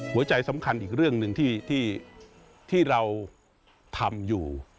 หัวใจสำคัญอีกเรื่องหนึ่งที่เราทำอยู่